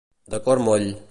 De cor moll.